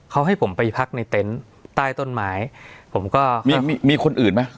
เขาให้ผมไปพักในเต็นต์ใต้ต้นไม้ผมก็มีมีคนอื่นไหม